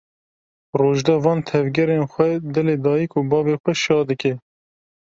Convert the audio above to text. Rojda van tevgerên xwe dilê dayîk û bavê xwe şa dike.